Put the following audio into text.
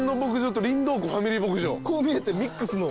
こう見えてミックスの。